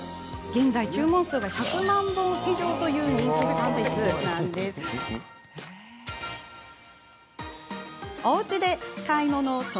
現在、注文数が１００万本以上という人気のサービスなんだそうですよ。